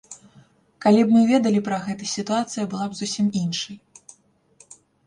Калі б мы ведалі пра гэта, сітуацыя была б зусім іншай.